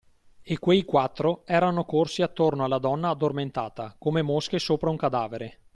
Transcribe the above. E quei quattro erano corsi attorno alla donna addormentata, come mosche sopra un cadavere.